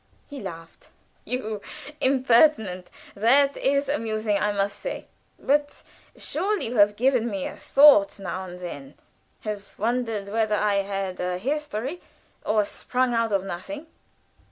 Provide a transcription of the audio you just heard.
He laughed. "You impertinent! That is amusing, I must say. But surely you have given me a thought now and then, have wondered whether I had a history, or sprung out of nothing?"